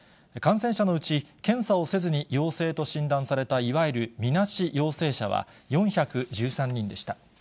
感染者のうち、検査をせずに陽性と診断された、いわゆる見なし陽性者は４１３人でした。